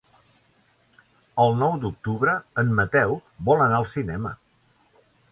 El nou d'octubre en Mateu vol anar al cinema.